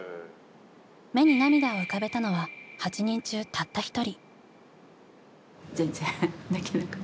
目に涙を浮かべたのは８人中たった１人。